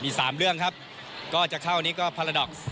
มี๓เรื่องครับก็จะเข้านี้ก็พาราดอก